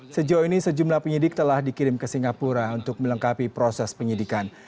sejauh ini sejumlah penyidik telah dikirim ke singapura untuk melengkapi proses penyidikan